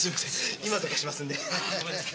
今どかしますんで。